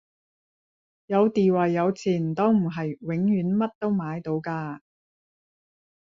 有地位有錢都唔係永遠乜都買到㗎